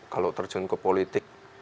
kalau terjun ke politik